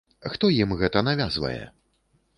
Хто ім гэта навязвае?